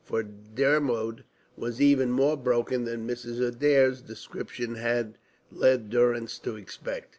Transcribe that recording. For Dermod was even more broken than Mrs. Adair's description had led Durrance to expect.